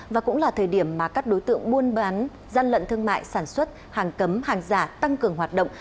và cũng là thời điểm mà các đối tượng buôn bán gian lận thương mại sản xuất hàng cấm hàng giả tăng cường hoạt động